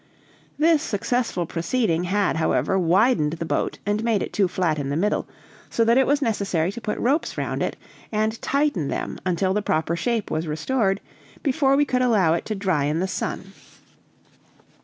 This successful proceeding had, however, widened the boat, and made it too flat in the middle, so that it was necessary to put ropes round it, and tighten them until the proper shape was restored before we could allow it to dry in the sun.